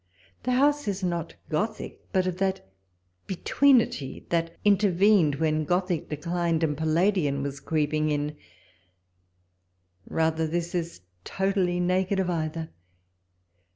The house , walpole's letters. 79 is not Gothic, but of that betweenity, that inter vened when Gothic declined and I*a1;idian was creeping in — rather, this is totally naked of either.